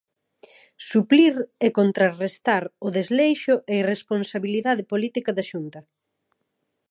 "Suplir e contrarrestar o desleixo e irresponsabilidade política da Xunta".